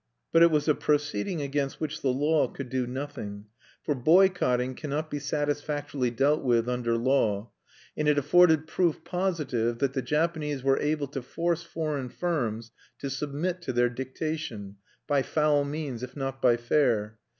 But it was a proceeding against which the law could do nothing; for boycotting cannot be satisfactorily dealt with under law; and it afforded proof positive that the Japanese were able to force foreign firms to submit to their dictation, by foul means if not by fair.